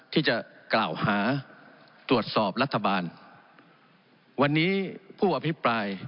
ที่จะกล่าวหาตรวจสอบรัฐบาลวันนี้ผู้อภิปราย